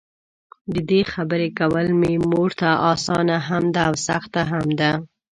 ددې خبري کول مې مورته؛ اسانه هم ده او سخته هم ده.